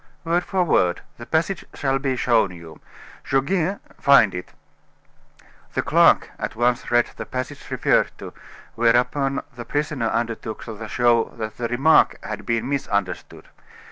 "Word for word; the passage shall be shown you. Goguet, find it." The clerk at once read the passage referred to, whereupon the prisoner undertook to show that the remark had been misunderstood.